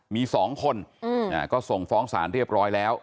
มี๒คนก็ส่งฟ้องศาลเรียบร้อยแล้ว